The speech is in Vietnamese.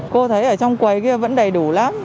cô thấy ở trong quầy kia vẫn đầy đủ lắm